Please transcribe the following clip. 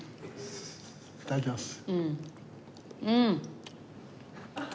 いただきます。